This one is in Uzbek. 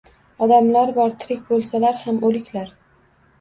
Odamlar bor: tirik bo‘lsalar ham o‘liklar.